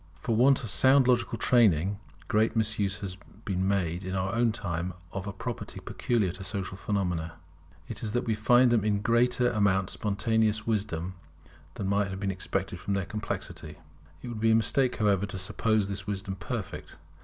For want of sound logical training, great misuse has been made in our own time of a property peculiar to social phenomena. It is that we find in them a greater amount of spontaneous wisdom than might have been expected from their complexity. It would be a mistake, however, to suppose this wisdom perfect.